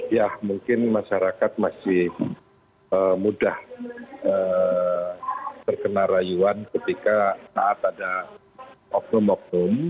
ya mungkin masyarakat masih mudah terkena rayuan ketika saat ada oknum oknum